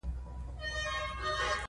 انځور د فضا او ځمکې اړیکه ښکاره کوي.